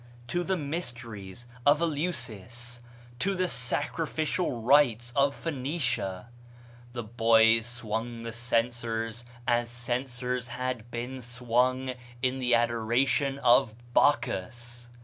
To the mysteries of Eleusis; to the sacrificial rites of Phoenicia. The boys swung the censors as censors had been swung in the adoration of Bacchus.